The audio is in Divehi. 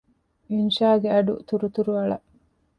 އިންޝާގެ އަޑު ތުރުތުރު އަޅަ